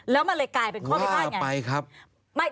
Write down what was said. แล้วมันเลยกลายเป็นข้อพิพาทไงว่าไปครับแล้วมันเลยกลายเป็นข้อพิพาทไง